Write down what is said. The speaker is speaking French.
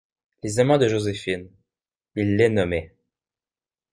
Les amants de Joséphine, il les nommait.